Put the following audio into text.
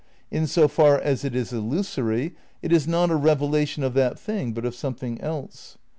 In so far as it is illusory it is not a revelation of that thing but of something else.